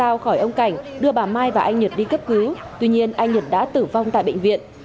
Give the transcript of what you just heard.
lao khỏi ông cảnh đưa bà mai và anh nhật đi cấp cứu tuy nhiên anh nhật đã tử vong tại bệnh viện